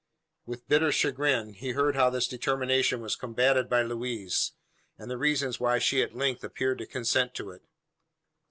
With bitter chagrin, he heard how this determination was combated by Louise, and the reasons why she at length appeared to consent to it.